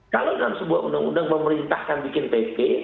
kalau dalam sebuah uu pemerintah yang bikin pp